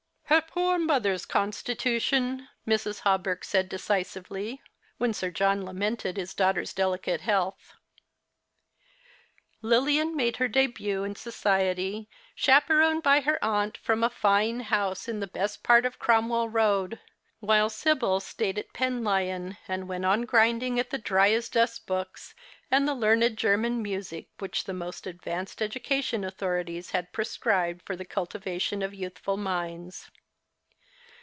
" Her poor mother's constitution," Mrs. Hawberk said decisively, when Sir John lamented his daughter's delicate health. Lilian made her debut in society, chaperoned by her aunt, from a fine house in the best part of Cromwell lioad, while Sibyl stayed at Penlyon, and went on grinding at the dry as dust books, and the learned German music, which the most advanced educational authorities had prescribed for the cultivation of youthful minds.